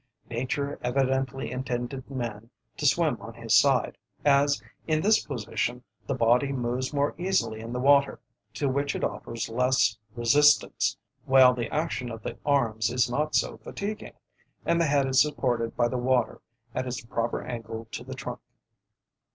Nature evidently intended man to swim on his side, as in this position the body moves more easily in the water, to which it offers less resistance, while the action of the arms is not so fatiguing, and the head is supported by the water at its proper angle to the trunk.